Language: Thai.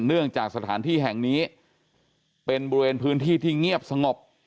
เนื่องจากสถานที่แห่งนี้เป็นบริเวณพื้นที่ที่เงียบสงบ